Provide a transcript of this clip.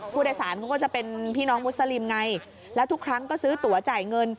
ผู้โดยสารเขาก็จะเป็นพี่น้องมุสลิมไงแล้วทุกครั้งก็ซื้อตัวจ่ายเงิน